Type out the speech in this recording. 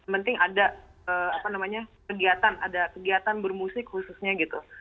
penting ada kegiatan bermusik khususnya gitu